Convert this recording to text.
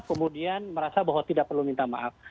kemudian merasa bahwa tidak perlu minta maaf